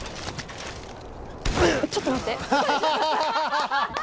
ちょっと待って。